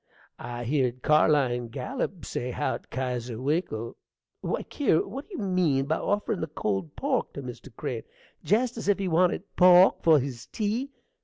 I heered Carline Gallup say how't Kesier Winkle Why, Kier, what do you mean by offerin' the cold pork to Mr. Crane? jest as if he wanted pork for his tea!